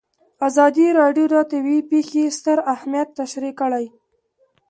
ازادي راډیو د طبیعي پېښې ستر اهميت تشریح کړی.